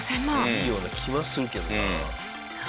いいような気はするけどな。